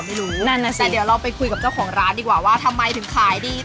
ไม่รู้นั่นน่ะสิเดี๋ยวเราไปคุยกับเจ้าของร้านดีกว่าว่าทำไมถึงขายดี